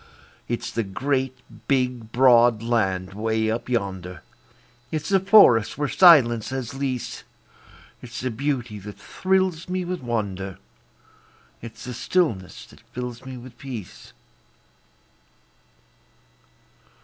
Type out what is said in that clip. It's the great, big, broad land 'way up yonder, It's the forests where silence has lease; It's the beauty that thrills me with wonder, It's the stillness that fills me with peace.